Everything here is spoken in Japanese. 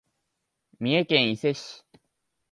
三重県伊勢市